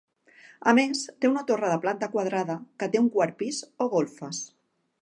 A més, té una torre de planta quadrada, que té un quart pis o golfes.